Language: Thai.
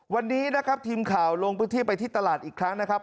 วันนี้นะครับทีมข่าวลงพื้นที่ไปที่ตลาดอีกครั้งนะครับ